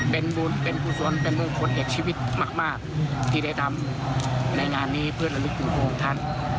เป็นบุญเป็นผู้ส่วนเป็นบุญคนเอกชีวิตมากที่ได้ทำในงานนี้เพื่อระลึกถึงพวกท่าน